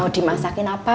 mau dimasakin apa